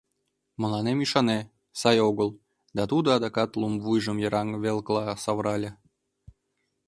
Мыланем ӱшане: сай огыл, — да тудо адакат лум вуйжым йыраҥ велкыла савырале.